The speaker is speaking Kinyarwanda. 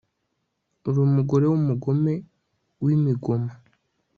uri umugore w'umugome w'imigoma